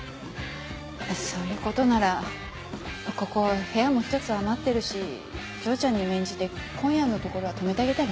そういうことならここ部屋も１つ余ってるし丈ちゃんに免じて今夜のところは泊めてあげたら？